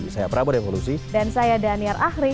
saya prabu revolusi dan saya daniar ahri